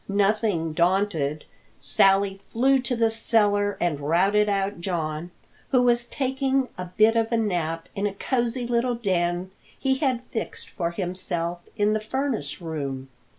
Nothing daunted, Sally flew to the cellar and routed out John, who was taking a bit of a nap in a cosy little den he had fixed for himself in the furnace room.